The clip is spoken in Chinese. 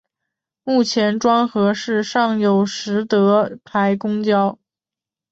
目前庄河市尚有实德牌公交车。